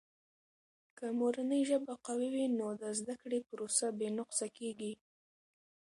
که مورنۍ ژبه قوي وي، نو د زده کړې پروسه بې نقصه کیږي.